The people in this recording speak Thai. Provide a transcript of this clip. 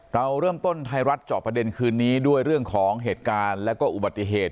เราเริ่มต้นไทยรัฐเจาะประเด็นคืนนี้ด้วยเรื่องของเหตุการณ์และก็อุบัติเหตุ